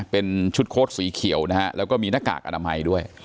เป็นชุดโค้ดสีเขียวนะฮะแล้วก็มีหน้ากากอนามัยด้วย